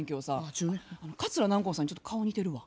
桂南光さんにちょっと顔似てるわ。